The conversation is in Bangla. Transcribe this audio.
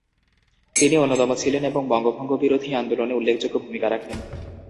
তিনি অন্যতম ছিলেন এবং বঙ্গভঙ্গ বিরোধী আন্দোলনে উল্লেখযোগ্য ভূমিকা রাখেন।